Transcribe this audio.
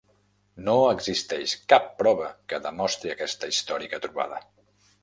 No existeix cap prova que demostri aquesta històrica trobada.